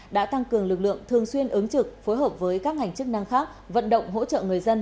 đã tăng cường lực lượng thường xuyên ứng trực phối hợp với các ngành chức năng khác vận động hỗ trợ người dân